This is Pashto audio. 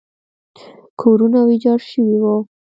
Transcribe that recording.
کورونه ویجاړ شوي وو.